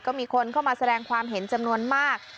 ก็มีคนเข้ามาแสดงความเห็นจำนวนมาก